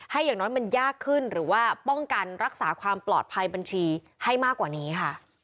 อย่างน้อยมันยากขึ้นหรือว่าป้องกันรักษาความปลอดภัยบัญชีให้มากกว่านี้ค่ะ